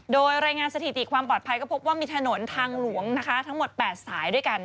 โดยรายงานสถิติความปลอดภัยก็พบว่ามีถนนทางหลวงนะคะทั้งหมด๘สายด้วยกัน